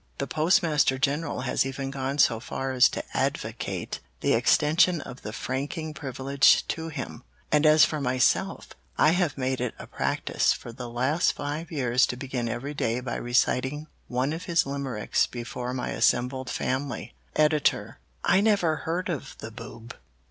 The Postmaster General has even gone so far as to advocate the extension of the franking privilege to him, and as for myself, I have made it a practice for the last five years to begin every day by reciting one of his limericks before my assembled family. "Editor I never heard of the boob.